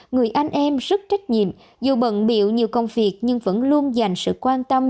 người anh em rất trách nhiệm dù bận biệu nhiều công việc nhưng vẫn luôn dành sự quan tâm